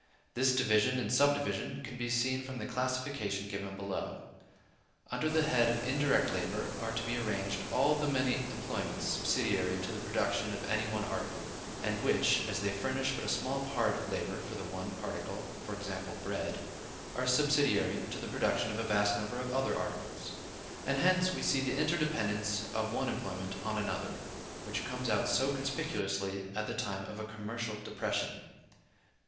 This division and subdivision can be seen from the classification given below. Under the head of indirect labor are to be arranged all the many employments subsidiary to the production of any one article, and which, as they furnish but a small part of labor for the one article (e.g., bread), are subsidiary to the production of a vast number of other articles; and hence we see the interdependence of one employment on another, which comes out so conspicuously at the time of a commercial depression.